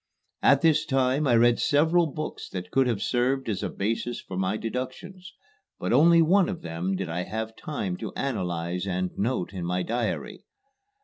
At this time I read several books that could have served as a basis for my deductions, but only one of them did I have time to analyze and note in my diary.